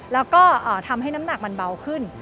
แล้วก็ทำให้น้ำหนักมันเบาขึ้น